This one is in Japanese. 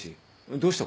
どうした？